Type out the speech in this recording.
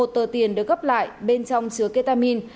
một tờ tiền được gấp lại bên trong chứa ketamine